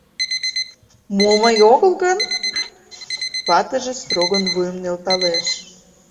— Мо мый огыл гын? — ватыже строгын вуйым нӧлталеш.